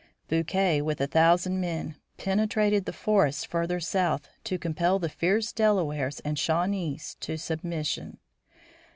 Bouquet, with a thousand men, penetrated the forests further south to compel the fierce Delawares and Shawnees to submission.